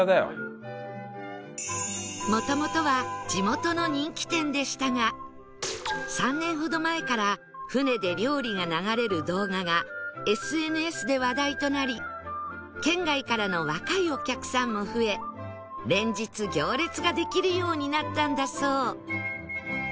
もともとは地元の人気店でしたが３年ほど前から船で料理が流れる動画が ＳＮＳ で話題となり県外からの若いお客さんも増え連日行列ができるようになったんだそう